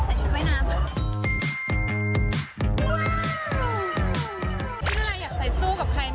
วันหน้าวางหลังเหมือนกัน